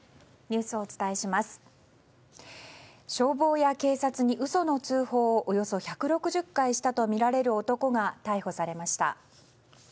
消防や警察に嘘の通報をおよそ１６０回したとみられる男が逮捕されました。